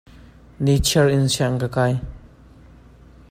Ni chiar in sianginn ka kai.